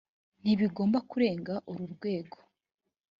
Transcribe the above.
ntibigomba kurenga uru rwego